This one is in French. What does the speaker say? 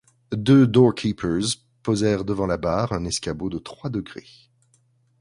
Deux door-keepers posèrent devant la barre un escabeau de trois degrés.